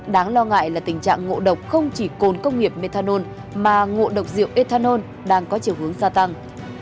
đáng lo ngại là tình trạng ngộ độc không chỉ cồn công nghiệp methanol mà ngộ độc rượu ethanol đang có chiều hướng gia tăng